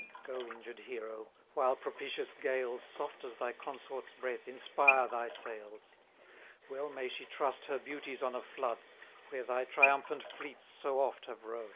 Go, injured hero! while propitious gales, Soft as thy consort's breath, inspire thy sails; Well may she trust her beauties on a flood, Where thy triumphant fleets so oft have rode!